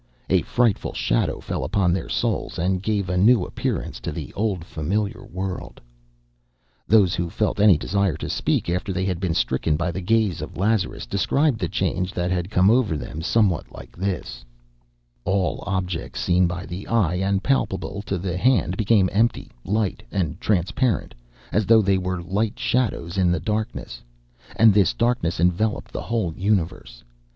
A frightful shadow fell upon their souls, and gave a new appearance to the old familiar world. Those who felt any desire to speak, after they had been stricken by the gaze of Lazarus, described the change that had come over them somewhat like this: _All objects seen by the eye and palpable to the hand became empty, light and transparent, as though they were light shadows in the darkness; and this darkness enveloped the whole universe.